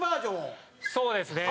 そうですね。